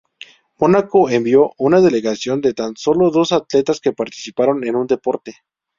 Mónaco envió una delegación de tan sólo dos atletas que participaron en un deporte.